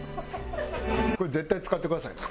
これ絶対使ってくださいね。